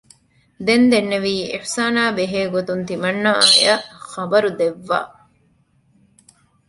ދެން ދެންނެވީ އިޙުސާނާ ބެހޭ ގޮތުން ތިމަންނާއަށް ޚަބަރު ދެއްވާ